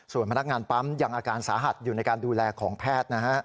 ส่วนพนักงานปั๊มยังอาการสาหัสอยู่ในการดูแลของแพทย์นะฮะ